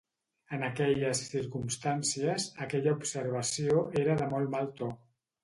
En aquelles circumstàncies, aquella observació era de molt mal to.